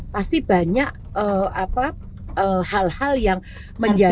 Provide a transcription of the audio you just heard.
pasti banyak hal hal yang menjadi